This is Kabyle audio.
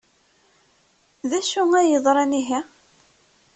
D acu ay yeḍran ihi?